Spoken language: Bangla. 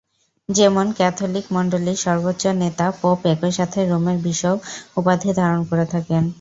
যেমন, ক্যাথলিক মণ্ডলীর সর্বোচ্চ নেতা "পোপ" একইসাথে "রোমের বিশপ" উপাধি ধারণ করে থাকেন।